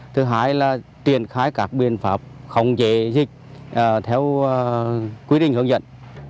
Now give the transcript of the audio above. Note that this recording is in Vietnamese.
thứ hai là triển khai các biện pháp khống chế dịch theo quy định hướng dẫn